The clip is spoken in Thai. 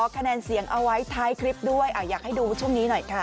คะแนนเสียงเอาไว้ท้ายคลิปด้วยอยากให้ดูช่วงนี้หน่อยค่ะ